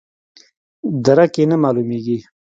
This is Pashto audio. درک یې نه معلومیږي.